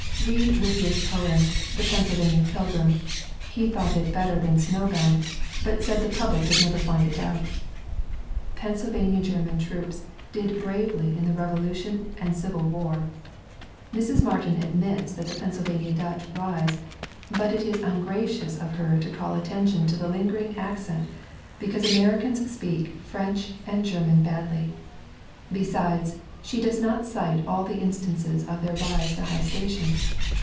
Read Whittier's poem, The Pennsylvania Pilgrim (he thought it better than Snowbound but said the public would never find it out !). Pennsylvania German troops did bravely in the Revolution and the Civil War. Mrs. Martin admits that the Pennsylvania Dutch rise but it is ungracious of her to call attention to the lingering 218 THE WOMEN WHO MAKE OUR NOVELS accent, because Americans speak French and German badly. Besides, she does not cite all the instances of their rise to high station.